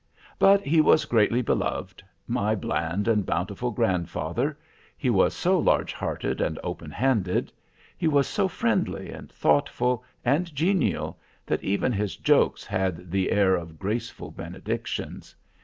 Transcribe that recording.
But he was greatly beloved—my bland and bountiful grandfather. He was so large hearted and open handed. He was so friendly, and thoughtful, and genial, that even his jokes had the air of graceful benedictions.